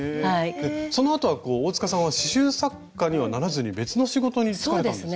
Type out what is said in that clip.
そのあとは大さんは刺しゅう作家にはならずに別の仕事に就かれたんですか？